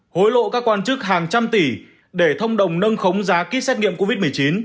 hối lộ các quan chức hàng trăm tỷ để thông đồng nâng khống giá kýt xét nghiệm covid một mươi chín